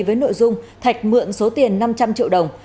với nội dung thạch mượn số tiền năm trăm linh triệu đồng